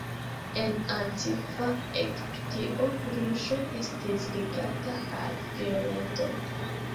En antikva Egiptio ruĝo estis ligata al violento.